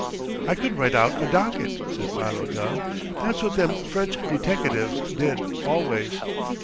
"I could write out a docket," said Philo Gubb. "That's what them French deteckatives did always."